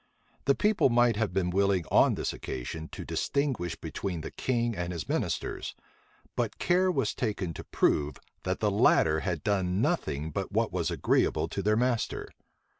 The people might have been willing on this occasion to distinguish between the king and his ministers: but care was taken to prove, that the latter had done nothing but what was agreeable to their master.